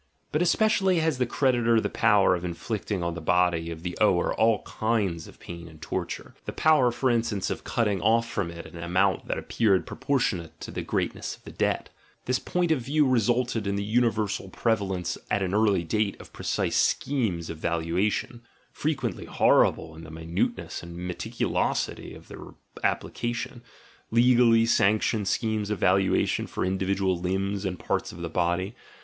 But especially has the creditor the power of inflicting on 50 THE GENEALOGY OF MORALS the body of the ower all kinds of pain and torture — the power, for instance, of cutting off from it an amount that appeared proportionate to the greatness of the debt; — this point of view resulted in the universal prevalence at an early date of precise schemes of valuation, frequently horrible in the minuteness and meticulosity of their ap plication, legally sanctioned schemes of valuation for individual limbs and parts of the body.